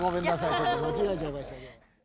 ちょっとまちがえちゃいましたね。